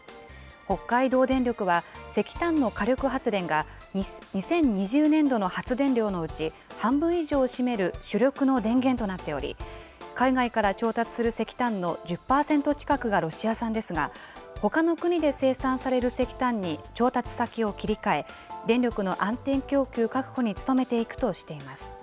北海道電力は、石炭の火力発電が２０２０年度の発電量のうち、半分以上を占める主力の電源となっており、海外から調達する石炭の１０％近くがロシア産ですが、ほかの国で生産される石炭に調達先を切り替え、電力の安定供給確保に努めていくとしています。